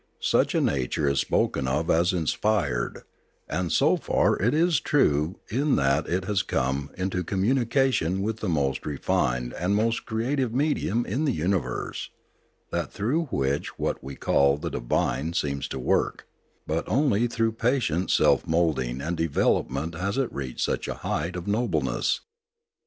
Such a nature is spoken of as inspired; and so far is it true in that it has come into communication with the most refined and most creative medium of the universe, that through which what we call the divine seems to work; but only through patient self moulding and development has it reached such a height of nobleness.